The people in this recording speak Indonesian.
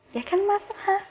ya kan mas